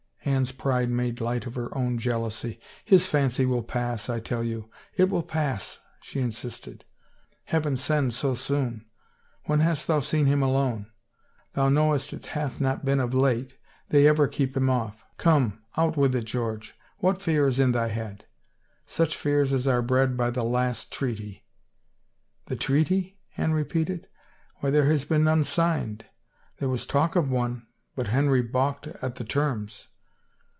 Anne's pride made light of her own jealousy. " His fancy will pass, I tell )rou. It will pass," she insisted. " Heaven send so soon — when hast thou seen him alone?" " Thou knowest it hath not .been of late. They ever keep him off — come, out with it, George. What fear is in thy head?" " Such fears as are bred by the last treaty." " The treaty? " Anne repeated. " Why there has been none signed. There was talk of one — but Henry balked at the terms."